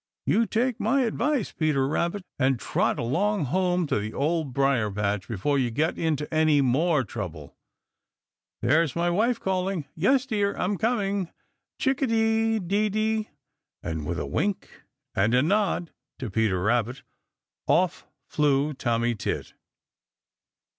You take my advice, Peter Rabbit, and trot along home to the Old Briar patch before you get into any more trouble. There's my wife calling. Yes, my dear, I'm coming! Chickadee dee dee!" And with a wink and a nod to Peter Rabbit, off flew Tommy Tit.